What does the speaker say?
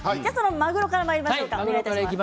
マグロからいきましょうか。